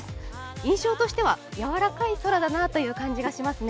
印象としてはやわらかい空だなという感じがしますね。